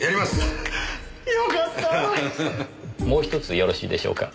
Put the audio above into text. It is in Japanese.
もう１つよろしいでしょうか？